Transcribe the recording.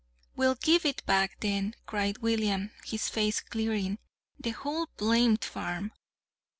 "We'll give it back, then," cried William, his face clearing; "the whole blamed farm!"